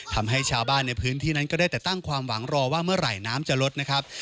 ทำให้ชาวบ้านในพื้นที่นั้นก็ได้แต่ตั้งความหวังรอว่าเมื่อไหร่น้ำจะลดนะครับ